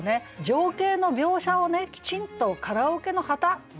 情景の描写をきちんと「カラオケの旗」っていうところ。